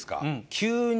急に。